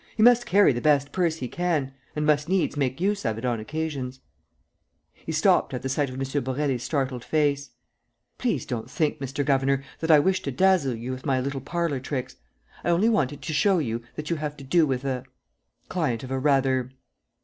He must carry the best purse he can ... and must needs make use of it on occasions. ..." He stopped at the sight of M. Borély's startled face: "Please don't think, Mr. Governor, that I wish to dazzle you with my little parlor tricks. I only wanted to show you that you have to do with a ... client of a rather